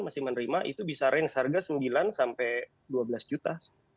masih menerima itu bisa range harga sembilan sampai dua belas juta